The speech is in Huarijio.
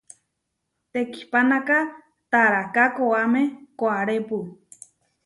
Tekihpanáka, taráhka koʼáme koʼárepu.